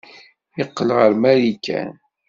Yeqqel ɣer Marikan.